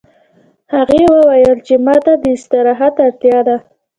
هغې وویل چې ما ته د استراحت اړتیا ده